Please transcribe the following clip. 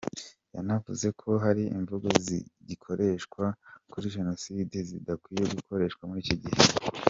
Yanavuze ko hari imvugo zigikoreshwa kuri Jenoside zidakwiye gukoreshwa muri iki gihe.